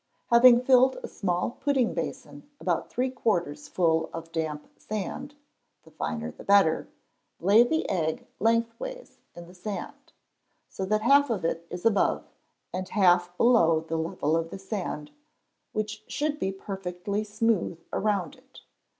Having filled a small pudding basin about three quarters full of damp sand (the finer the better), lay the egg lengthways in the sand, so that half of it is above, and half below, the level of the sand, which should be perfectly smooth around it.